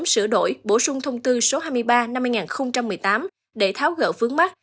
sửa đổi bổ sung thông tư số hai mươi ba năm hai nghìn một mươi tám để tháo gỡ vướng mắt